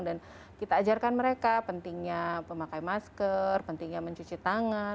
dan kita ajarkan mereka pentingnya memakai masker pentingnya mencuci tangan